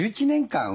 １１年間。